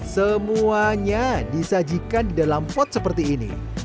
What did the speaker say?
semuanya disajikan di dalam pot seperti ini